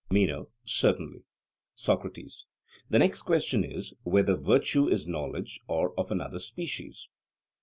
MENO: Certainly. SOCRATES: The next question is, whether virtue is knowledge or of another species?